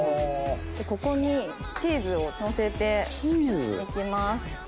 ここにチーズをのせていきます。